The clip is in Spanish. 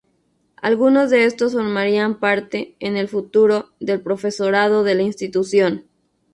Alguno de estos formarían parte, en el futuro, del profesorado de la institución.